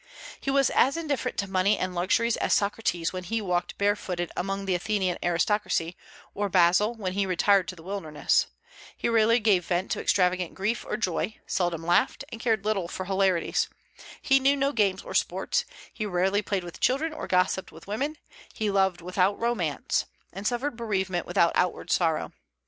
He was as indifferent to money and luxuries as Socrates when he walked barefooted among the Athenian aristocracy, or Basil when he retired to the wilderness; he rarely gave vent to extravagant grief or joy, seldom laughed, and cared little for hilarities; he knew no games or sports; he rarely played with children or gossiped with women; he loved without romance, and suffered bereavement without outward sorrow.